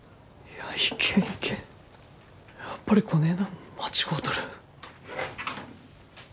やっぱりこねえなん間違うとる。